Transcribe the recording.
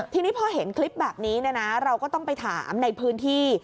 ทีนี้พอเห็นคลิปแบบนี้เราก็ต้องไปถามในพื้นที่